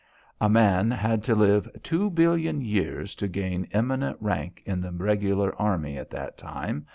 A man had to live two billion years to gain eminent rank in the regular army at that time.